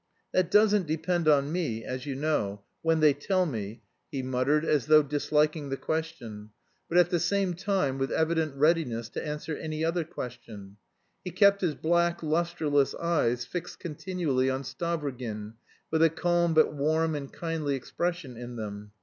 "That doesn't depend on me, as you know when they tell me," he muttered, as though disliking the question; but at the same time with evident readiness to answer any other question. He kept his black, lustreless eyes fixed continually on Stavrogin with a calm but warm and kindly expression in them.